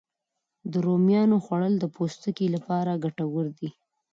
د رومیانو خوړل د پوستکي لپاره ګټور دي